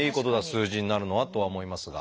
数字になるのはとは思いますが。